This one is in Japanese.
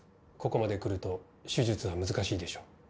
ここまでくると手術は難しいでしょう。